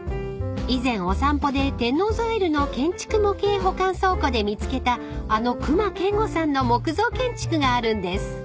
以前お散歩で天王洲アイルの建築模型保管倉庫で見つけたあの隈研吾さんの木造建築があるんです］